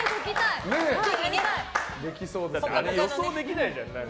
予想できないじゃん。